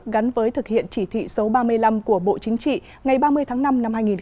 gắn với thực hiện chỉ thị số ba mươi năm của bộ chính trị ngày ba mươi tháng năm năm hai nghìn một mươi chín